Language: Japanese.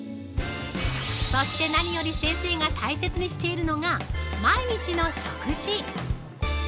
そして何より先生が大切にしているのが毎日の食事。